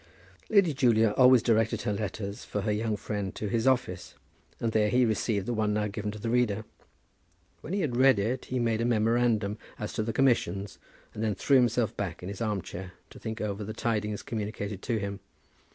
Lady Julia always directed her letters for her young friend to his office, and there he received the one now given to the reader. When he had read it he made a memorandum as to the commissions, and then threw himself back in his arm chair to think over the tidings communicated to him.